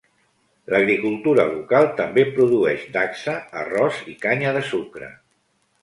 L'agricultura local també produeix dacsa, arròs i canya de sucre.